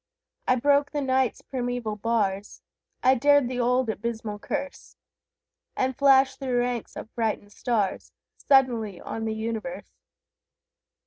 I broke the Night's primeval bars, I dared the old abysmal curse, And flashed through ranks of frightened stars Suddenly on the universe!